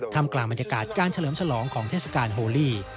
ทำกลางบรรยากาศการเฉลิมฉลองของเทศกาลโฮลี่